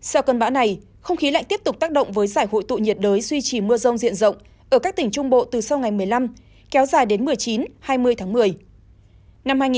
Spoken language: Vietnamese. sau cơn bão này không khí lạnh tiếp tục tác động với giải hội tụ nhiệt đới duy trì mưa rông diện rộng ở các tỉnh trung bộ từ sau ngày một mươi năm kéo dài đến một mươi chín hai mươi tháng một mươi